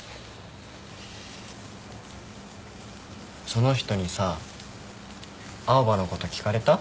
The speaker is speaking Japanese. その人にさ青羽のこと聞かれた？